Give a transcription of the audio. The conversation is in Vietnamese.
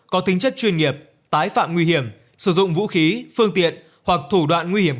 có tính chất chuyên nghiệp tái phạm nguy hiểm sử dụng vũ khí phương tiện hoặc thủ đoạn nguy hiểm